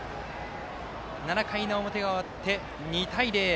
７回の表が終わって、２対０。